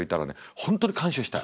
本当に感謝したい。